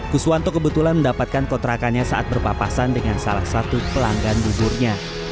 kuswanto kebetulan mendapatkan kontrakannya saat berpapasan dengan salah satu pelanggan buburnya